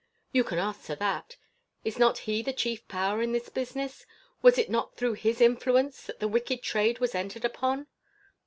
"You can answer that. Is not he the chief power in this business? Was it not through his influence that the wicked trade was entered upon?"